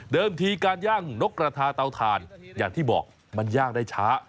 ทีการย่างนกกระทาเตาถ่านอย่างที่บอกมันย่างได้ช้า